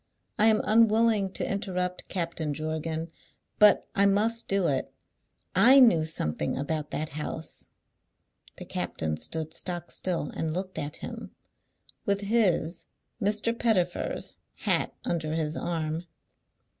I am unwilling to interrupt Captain Jorgan, but I must do it. I knew something about that house." The captain stood stock still and looked at him, with his (Mr. Pettifer's) hat under his arm.